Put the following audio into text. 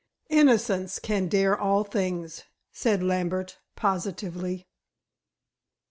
"Innocence can dare all things," said Lambert, positively.